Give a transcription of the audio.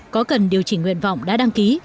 có cần điều chỉnh nguyện vọng đã đăng ký